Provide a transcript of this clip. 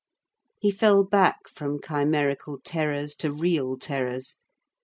He fell back from chimerical terrors to real terrors.